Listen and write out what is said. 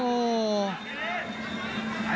โอ้โห